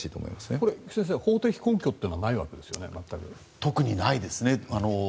これ、菊地先生法的根拠というのは特にないですね。